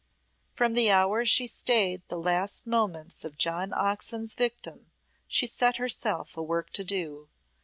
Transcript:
From the hour she stayed the last moments of John Oxon's victim she set herself a work to do.